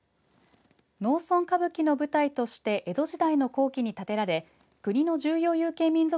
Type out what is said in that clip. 農村歌舞伎の舞台として江戸時代の後期に建てられ国の重要有形民俗